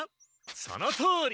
そのとおり。